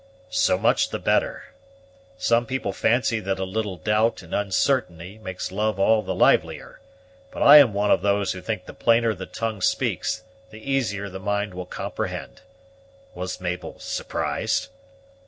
"So much the better. Some people fancy that a little doubt and uncertainty makes love all the livelier; but I am one of those who think the plainer the tongue speaks the easier the mind will comprehend. Was Mabel surprised?"